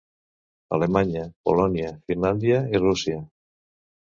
Alemanya, Polònia, Finlàndia i Rússia.